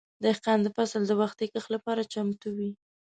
دهقان د فصل د وختي کښت لپاره چمتو وي.